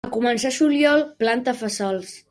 A començar juliol, planta fesols.